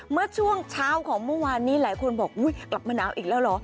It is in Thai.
เมื่อช่วงเช้าของเมื่อวานนี้หลายคนบอกอุ๊ยกลับมาหนาวอีกแล้วเหรอ